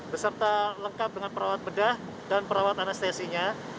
beserta lengkap dengan perawat bedah dan perawat anestesinya